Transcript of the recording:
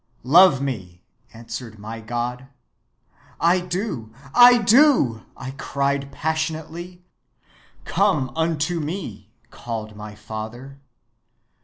'Love me,' answered my God. 'I do, I do,' I cried passionately. 'Come unto me,' called my Father.